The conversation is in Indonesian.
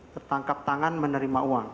tertangkap tangan menerima uang